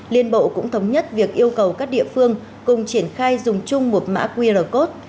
liên bộ cũng thống nhất việc yêu cầu các địa phương cùng triển khai dùng chung một mã qr code